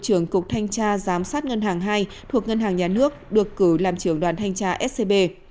trưởng cục thanh tra giám sát ngân hàng hai thuộc ngân hàng nhà nước được cử làm trưởng đoàn thanh tra scb